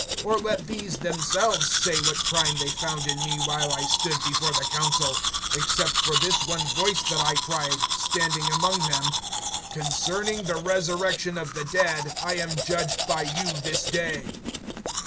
(20)Or let these themselves say what crime they found in me, while I stood before the council, (21)except for this one voice that I cried, standing among them: Concerning the resurrection of the dead I am judged by you this day.